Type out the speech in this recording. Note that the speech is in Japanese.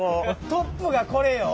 トップがこれよ？